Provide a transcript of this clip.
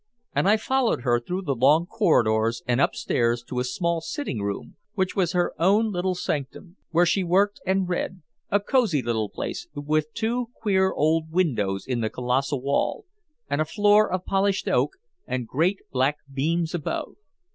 And I followed her through the long corridors and upstairs to a small sitting room which was her own little sanctum, where she worked and read a cosy little place with two queer old windows in the colossal wall, and a floor of polished oak, and great black beams above.